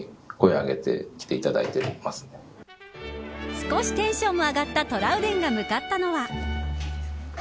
少しテンションも上がったトラウデンが向かったのは。